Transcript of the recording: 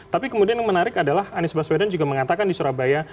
tapi kemudian yang menarik adalah anies baswedan juga mengatakan di surabaya